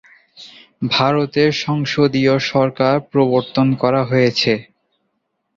ভারতে সংসদীয় সরকার প্রবর্তন করা হয়েছে।